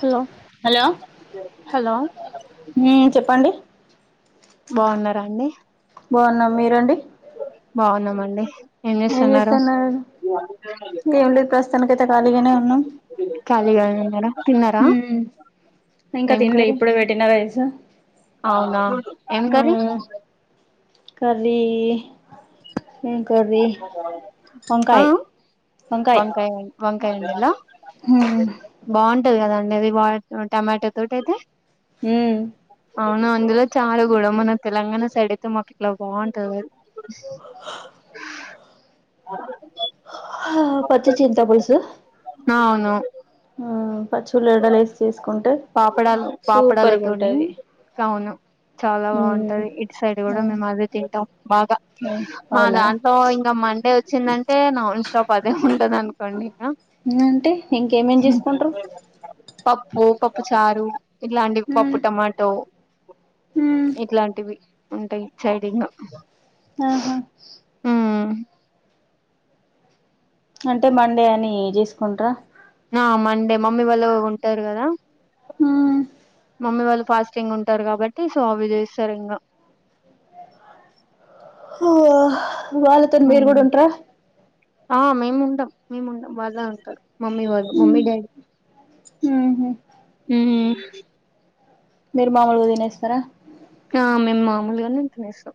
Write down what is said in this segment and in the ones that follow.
Hello hello hello మ్మ్ చెప్పండి బాగున్నరా అండి బాగున్నా మీరండి బాగున్నామండి ఏం చేస్తున్నారు ఏం లేదు ప్రస్తుతానికైతే ఖాళీగానే ఉన్నాం కాళీ గానే ఉన్నరా తిన్నర ఇంక తిన్లే ఇప్పుడె పెట్టిన రైస్ అవునా ఏం కర్రీ మ్మ్ కర్రీ ఏం కర్రీ ఆ వంకాయ్ వంకాయ్ వంకాయ వంకాయ వండలా మ్మ్ బాగుంటది కదా అది వా టమాటో తోటయితే ఉం అవును అందులో చాల కూడా మన తెలంగాణ సైడ్ అయితే మాకు ఇట్లా బాగుంటది హా హా పచ్చి చింత పులసు అ అవును పచ్చి ఉల్లిగడ్డలు ఏసీ చేసుకున్ పాపడాల పాపడాలతోని కవును చాలా మ్మ్ బాగుంటది ఇటు సైడ్ కూడా మ్మ్ మేము అదే తింటం బాగా మ్మ్ మా అవునా దాంట్లో ఇంకా మండే వచ్చిందంటే నాన్ స్టాప్ అదే ఉంటంది అనుకోండి ఇంక అ అంటే ఇంకేమేం చేసుకుంటరు పప్పు పప్పు చారు ఇట్లాంటివి పప్పు మ్మ్ టమాటో మ్మ్ ఇట్లాంటివి ఉంటాయ్ ఇటసైడ్ ఇంగ ఆహా మ్మ్ అంటే మండే అని చేసుకుంటర ఆ మండే మమ్మీ వాళ్ళు ఉంటరు కదా మ్మ్ మమ్మీ వాళ్ళు ఫాస్టింగ్ ఉంటరు కాబట్టి సో అవి చేస్తరు ఇంగా వాళ్ళతోని మీరుగుడ ఉంట్ర ఆ మేము ఉండం మేము ఉండం వాళ్లే ఉంటారు మమ్మీ వాళ్లు మమ్మీ డాడీ ఉం మీరు మాముూలుగా దినేస్తరా ఆ మేము మామలుగానే తినేస్తం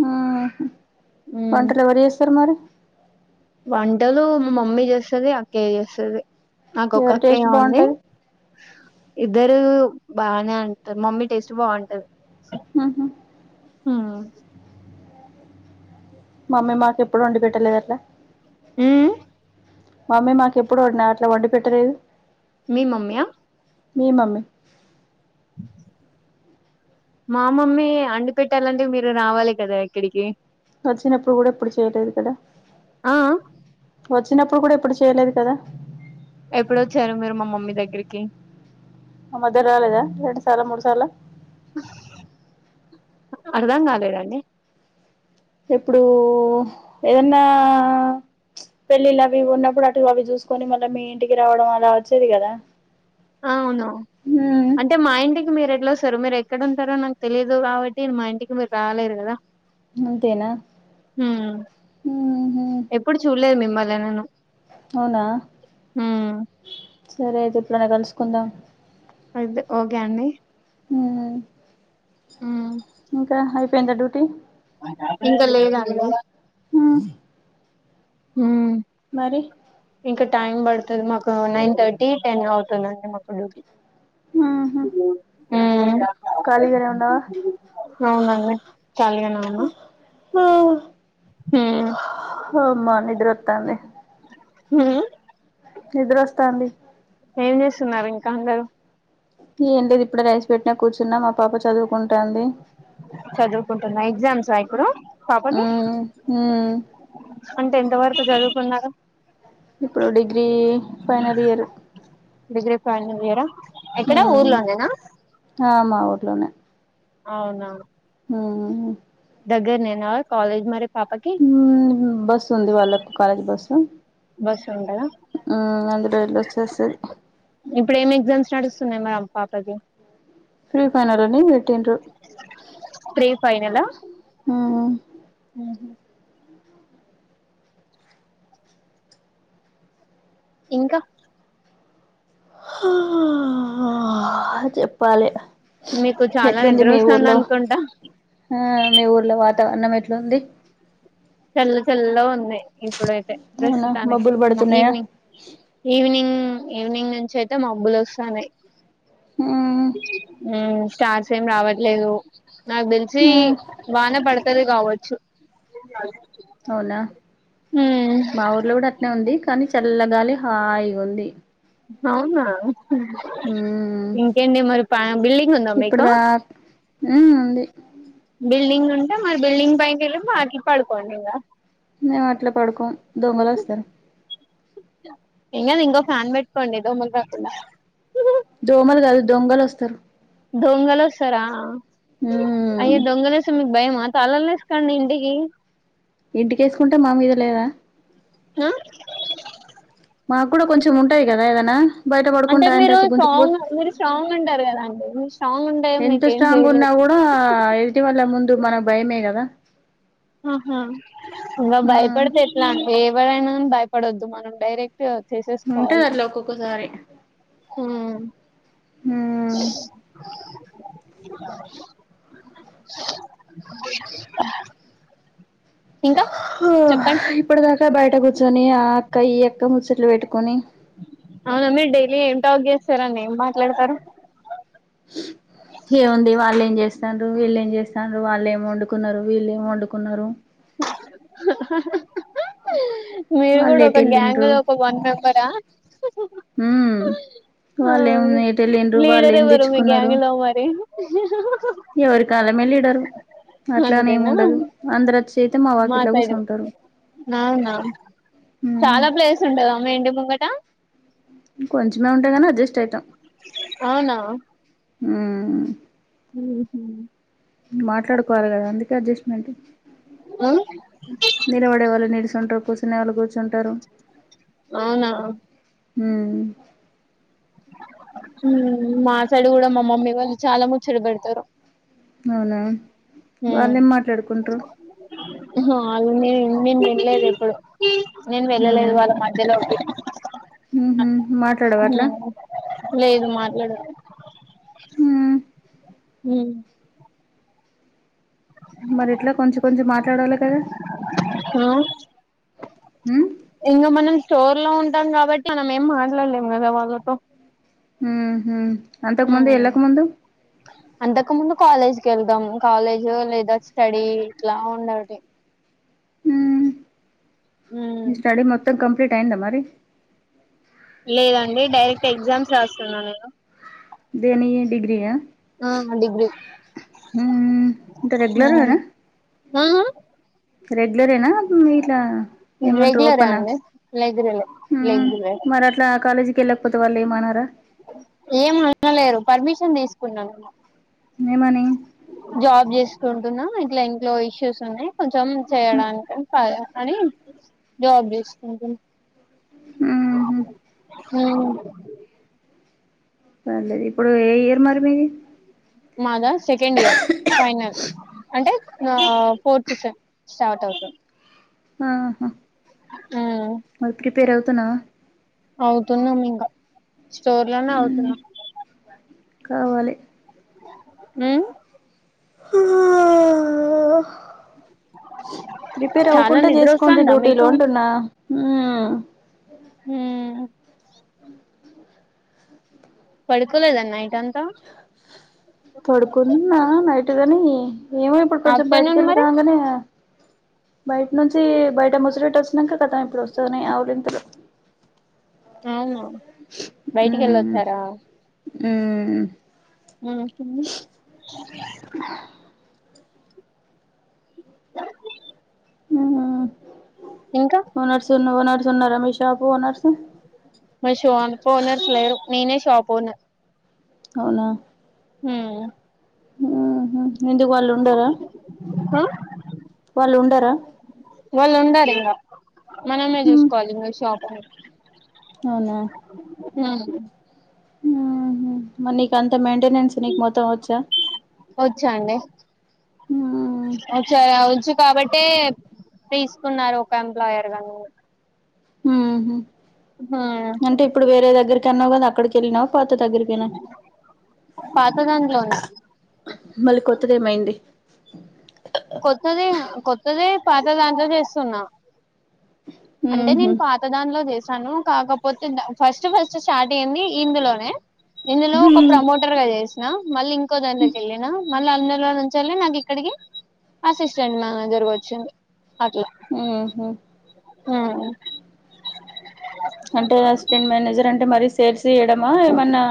మ్మ్ వంటలు ఎవరు చేస్తరు మరి వంటలు మా మమ్మీ చేస్తది అక్కయ్య చేస్తది నాకు ఒక ఎవరి టేస్ట్ అక్కయ్యే ఉంది బాగుంటది ఇద్ ఇద్దరు బానే అంటరు మమ్మీ టేస్ట్ బాగుంటది మ్మ్ హు మ్మ్ మమ్మీ మాకు ఎప్పుడు వండి పెట్టలేదు అట్లా ఉమ్ మమ్మీ మాకు ఎప్పుడు వండి అట్లా వండి పెట్టలేదు మీ మమ్మీ అ మీ మమ్మీ మా మమ్మీ వండి పెట్టాలంటే మీరు రావాలి కదా ఇక్కడికి వచ్చినప్పుడు కూడా ఏప్పుడు చేయలేదు కదా ఆ వచ్చినప్పుడు కూడా ఎప్పుడు చేయలేదు కదా ఎప్పుడొచ్చారు మీరు మా మమ్మీ దగ్గరికి మా మదర్ రాలేదా రెండు సార్లో మూడు సార్లో అర్థం కాలేదండి ఇప్పుడు ఏదన్నా పెళ్ళిళ్ళ అవి ఉన్నప్పుడు అటు అవి చూసుకొని మళ్ళీ మీ ఇంటికి రావడం అలా వచ్చేది కదా అవును హ్మ్ అంటే మా ఇంటికి మీరు ఎట్లా వస్తారు మీరు ఎ ఎక్కడంటారో నాకు తెలియదు కాబట్టి మా ఇంటికి మీరు రాలేరు కదా అంతేనా మ్మ్ ఊహూ ఎప్పుడు చూడలేదు మి మ్మల్ని నేను అవునా మ్మ్ సరే అయితే ఇప్పుడైనా కలుసుకుందాం అతే ఓకే అండి మ్మ్ మ్మ్ ఇంకా అయిపోయిందా డ్యూటీ ఇంకా లేదండి హ్మ్ మ్మ్ మరి ఇంకా టైమ్ పడుతుంది మాకు నైన్ థర్టీ టెన్ అవుతుందండి మాకు డ్యూటీ మ్మ్ మ్మ్ ఉన్నావా అవున అండి ఖాళీగానే ఉన్న హ అమా నిదారోత్తాంది మ్మ్ నిదరస్తానంది ఏం చేస్తున్నారు ఇంకా అందరూ ఏంలేదు ఇప్పుడే రైస్ పెట్టినా కూర్చున్నా మా పాప చదువు చదువుకుంటున్నా ఎగ్జామ్సా ఇప్పుడు పాపకి హ్మ్ హ్మ్ అంటే ఎంత వరకు చదువుకున్నారు ఇప్పుడు degree final year degree final year ఎక్కడ ఊర్లోనేనా ర్లోనే అవునా మ్మ్ దెగ్గరనేనా మరి కాలేజీ మరి పాపకి బస్సు ఉంది వాళ్ళకు కాలజ బస్ బస్ ఉంటదా మ్మ్ అందులో ఎల్లోచేస్తది ఇప్పుడు ఏమి ఎగ్జామ్స్ నడుస్తున్నాయి మరి అమ్ పాపకి ఫీ ఫైనల్ అని పెట్టిండ్రు ప్రీ ఫైనలా మ్మ్ మ్మహు ఇంకా చెప్పాలె మీకు చాలా ఎట్లుంది నిద్ర మీ వస్తుంది ఊర్లో అనుకుంటా ఆ మీ ఊర్లో వా తవరణం ఎట్లుంది చల్ల చల్లగుంది ఇప్పుడైతే అవునా ప్రస్తుతానికి మబ్బులు పడుతున్నాయా ఈవినింగ్ ఈవినింగ్ ఈవినింగ్ నుంచి అయితే మా మాబ్బులు వస్తానేయి ఉమ్ స్టార్ట్స్ ఏం రావట్లేదు నాకు తెలిచి ఉమ్ వన పడ వన పడుచు అవునా మా ఊర్లో కూడా అట్నే ఉంది కానీ చల్లగాలి హాయి ఉంది అవునా ఉమ్ ఇంకేండి మరి బిల్డింగ్ ఉందా మీకు ఉ అడి బిల్డింగ్ ఉంటే మరి బిల్డింగ్ పైకి వెళ్ళి పడుకోండి ఇంకా మేము అట్లా పడుకోం దోమలు వస్తాఈ ఇంగ ఇంగ ఫ్యాన్ పెటుకొండ్ దోమలు రాకుండా దోమలు కాదు దొంగలు వస్తారు డొంగలు సరా అ ఉమ్ డొంగలు తాళం వేసుకోండి ఇంటికి ఇంటిక వేసుకుంటేమీద మీద లేదా ఆ మాకు కూడా కొంచెం ఉంటాయి కదా ఏదైనా బయట అంటే పడుకుంటా మీరు వచ్చి స్ట్రాంగ్ గుంజుకుపోతే మీరు స్ట్రాంగ్ ఉంటారు కదా అండి మీరు స్ట్రాంగ్ ఉంటే మీకేం చేయలేదు ఎటివల్ల ముందు మన భయమే కదా ఆహా ఇంకా ఉమ్ భయపడితే ఎట్లా అంట ఎవడైనాని భయపడొద్దు మనం డైరెక్ట్ ఉంటది చేసుకోవాలి అట్లా ఒక్కొక్కసారి ఉమ్ హ ఇంకా చెప్పండి ఇప్పుడు దాకా బయట కూర్చొని కయ అక్క ముచ్చట్లు పెట్టుకని సరండిం మాట్లాడతారు ఏముంది వాళ్ళు ఏం చేస్త న్నారు వీళ్ళ ఏం చేస్తన్నారు వాళ్ళు ఏం వండుకున్నారు వీళ్ళు ఏం వండుకున్నారు మీరు వాళ్ళు కూడా ఎటు ఒక గ్యాంగ్ ఎళ్ళిండ్రు లో ఒక వన్ మెంబరా ఉ ఆ వాళ్ళు లేన వాళ్ళు ఏం తెచ్చుకున్నారు వి ఎవరి కాాల మళ ఇడారు అట్లానే అంతేనా ఉండదు అంద రచ్చ మా సైడు అవునా ఉమ్ చాలా ప్లేస్ ఉంటది అమ్మ ఏంటి ఉంగటా కొంచెమే ఉంటేగానీ అడ్జస్ట్ అయి అవునా ఆ హ మాట్లాడుకోవాలి కదా అందుకే అడ్జస్ట్మెంట్ ఆ నిలబడే వాళ్ళు ని కూర్చుడే వాలు అవునా హ మా సైడ్ కూడా మా మమ్మీ వాళ్ళు చాలా ముచ్చడు పెడతారు అవునా వాళ్ళేం మాట్లాడుకుంట్రు హ అని నేను వెళ్ళలేదు ఇప్పుడు నేను వెళ్ళలేదు వాళ్ళ మధ్యలోకి హహ మాట్లాడవా అట్లా లేదు మాట్లాడ ఉమ్ హ మరి ఎట్లా కొంచెం కొంచం మాట్లాడాలి కదా ఉమ్ ఇంగ మన స్టోర్ లో ఉంటాం కాబట్టి మనం ఏం మాట్లాడలేం కదా వాళ్ళతో హ హ అంతకు ముందు ఎళ్లాకు ముందు అంతకు ముందు కాలేజ్కి వెళ్దాం కాలేజ్ లేదా స్టడీ ఇట్లా ఉండటి ఈ స్టడీ మొత్తం కంప్లీట్ అయిందా మరి లేదండి డైరెక్ట్ ఎగ్జామ్స్ రాస్తున్నా నేను దేని డిగ్రీయా ఆ డిగ్రిీ హరెగ్యులర్ నా ఆహా రెగ్యులరేనా ఇీట్లా ఏమంటారు రెగ్యులరే ఓపెనా అండి [unintelligible] కాలేజ్ వెళ్ళకపోతే వాళ్ళ ఏమి అనరా ఏం అనలేరు పర్మిషన్ తీసుకున్నా నుేను ఏమని జబ్ చేసి టున్నా ఇట్లా ఇంట్లో ఇష్యూస్ ఉన్నాయి కొంచెం చేయడానికి అని జాబ్ చేస్త ఆ ఆ పర్లేదు ఇప్పుడు ఏ ఇయరు మరి మీది మాదా సెకండ్ ఇయర్ ఫైనల్ అంటే ఫోర్త్ సె స్టార్ట్ అవుతు ఆహా మరి ప్రిపేర్ అవుతునా అవుతున్నాం ఇంకా స్టోర్ లోనే ఉమ్ అవుతున్నాం కావాలి హ ఆ ప్రిపేర్ చాలా అవ్వకుంటే నిద్ర చేసుకోండి వస్తాందా డ్యూటీలో మీకు అంటున్నా హ పడుకోలేదా నయిట్ అంత పడుకున్నా నైటుగాని ఏమో ఎప్పుడూ బయటికి ఆఫ్టర్నూన్ వెళ్ళి మరి రాగానే బయట నుంచి బయట ముసిలిట్ వస్తుినక కతం ఇప్పుడు వస్తునియి ఆవులింంతలు అవునా బయటికి వెళ్ళొచ్చారా ఆ ఉహు ఇంకా ఓనర్స్ ఉన్న ఓనర్స్ ఉన్నారా రమేష్ షాప్ అ ఓనర్సలేరు నేనే షాప్ ఓనర్ అవునా హ ఆహా ఎందుకు వాళ్ళు ఉండరాా హ వాళ్ళు ఉండరు ఇంగ మనమే మ్మ్ చూసుకోవాలి ఇంకా షాపు అవునా ఆ ఉ మరి నీకు అంత మెంట్ మెయింటెనెన్స్ నీకు మొత్తం వచ్చా మ్మ్ వచ్చయ అవు వచ్చు కాబట్టే తీసుకున్నారు ఒక ఎంప్లాయర్ గాని ఉ అంటే ఇప్పుడు వేరే దగ్గరికి అన్నావు కదా అక్కడికి ఎల్నావ్ పాత దగ్గరికేనా పాత దాంట్లోనే మళ్ళీ కొత్తదేమయింది కొత్తది కొత్తది పాత దాంట్లో చేస్తున్నా అంటే ఉహు నేను పాతదానిలో చేస్త వస్తాను కాకపోతే ఫస్ట్ ఫస్ట్ స్టార్ట్ అయ్యింది ఇందులోనే ఇందులో ఒక ప్రమోటర్ గా చేసి న మళ్ళీ ఇంకో దాంలోకి వెళ్ళనా మళ్ళీ అందలో నుంచిల్లి నాకు ఇక్కడికి అసిస్టెంట్ మేనేజర్ వచ్చింది అట్ల మ్మ్ హు మ్మ్ అంటే అసిస్టెంట్ మేనేజర్ అంటే మరి సేల్స్ జేయడమా ఏమన్నా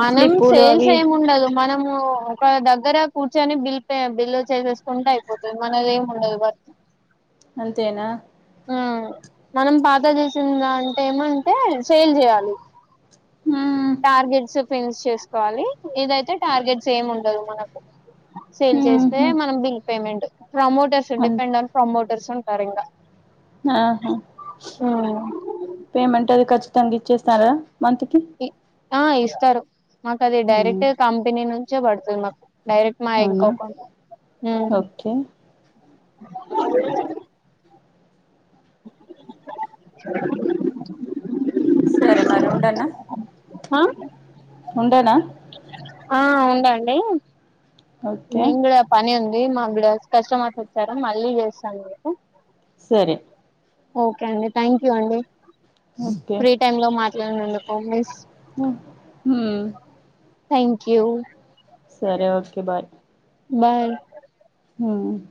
మనం స్లిప్పులు సేల్స్ అవి ఏమి ఉండదు మనము ఒక దగ్గర కూర్చొని బిల్ బిల్ చేసేసుకుంటే అయిపోతుంది మనది ఏమి ఉండదు బర్ అంతేనా మనం పాత చేసిందా అంటే ఏమంటే సేల్ చేయాలి మ్మ్ టార్గెట్స్ ఫిన్స్ చేసుకోవాలి ఇదైతే టార్గెట్స్ ఏం ఉండదు మనకు సేల్ చేస్తే ఉహు మనం బిల్ పేమెంట్ ప్రమోటర్స్ అన్ డిపెండ్ ఆన్ ప్రమోటర్స్ ఉంట తరింగా ఆహా పేమెంట్ అది ఖచ్చితంగా ఇచ్చేస్తారా మంతకి ఆ ఇస్తారు మాకు అది డైరెక్ట్ కంపెనీ నుంచే పడుతుంది మాకు డైరక్ట్ మా అవునా ఎంకో ఓకే సరే మరి ఉండనా ఆ ఉండేనా ఆ ఉందండి ఓకే నేన్ కూడా పని ఉంది మాకిడ కస్టమర్స్ వచ్చారా మళ్ళీ చేస్తాను మీకు సరే ఓకే అండి థ్యాంక్ యూ అండి ఓకే ఫ్రీ టైమ్ లో మాట్లాడినందుకు ప్లీజ్ మ్మ్ థ్యాంక్ యూ సరే ఓకే బాయ్ బాయ్ హ్మ్.